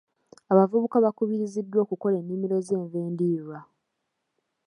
Abavubuka bakubiriziddwa okukola ennimiro z'enva endiirwa.